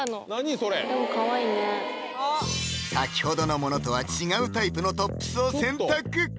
これもかわいいね先ほどのものとは違うタイプのトップスを選択